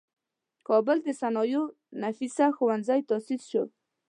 د کابل د صنایعو نفیسه ښوونځی تاسیس شو.